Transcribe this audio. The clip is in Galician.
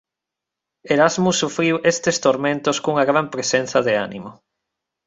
Erasmo sufriu estes tormentos cunha gran presenza de ánimo.